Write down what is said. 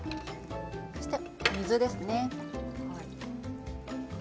そして水ですね。